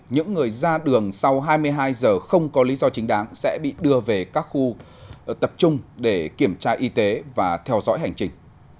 những người ra đường sau hai mươi hai giờ không có lý do chính đáng sẽ bị đưa về các khu tập trung để kiểm tra y tế và theo dõi hành trình